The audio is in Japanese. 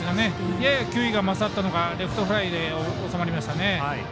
やや球威が勝ったのかレフトフライで収まりましたね。